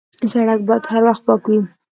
سړک باید هر وخت پاک وي.